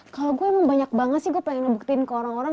kalau gue emang banyak banget sih gue pengen ngebuktiin ke orang orang